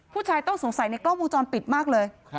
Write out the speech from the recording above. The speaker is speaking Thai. ผู้ชายต้องสงสัยในกล้องวงจรปิดมากเลย